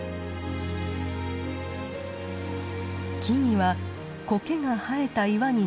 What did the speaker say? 木々はコケが生えた岩に根を張り